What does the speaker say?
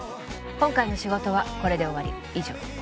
今回の仕事はこれで終わり以上